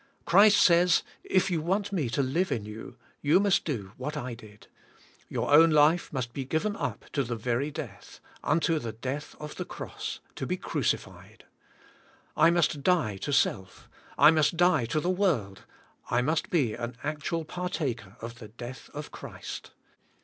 Christ says. If you want Me to live in you, you must do what I did. Your own life must be given up to the very death, unto the death of the cross, to be crucified. I must die to self, I must die to the world, 1 must be an actual partaker of the death of Christ.